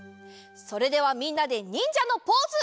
それではみんなでにんじゃのポーズ！